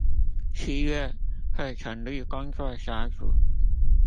七月會成立工作小組